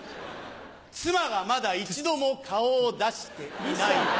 妻がまだ一度も顔を出していないことを。